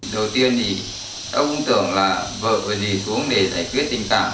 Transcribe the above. đầu tiên thì ông tưởng là vợ vừa đi xuống để giải quyết tình cảm